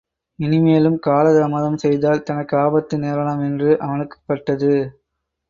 இனிமேலும் காலதாமதம் செய்தால் தனக்கு ஆபத்து நேரலாம் என்று அவனுக்குப் பட்டது.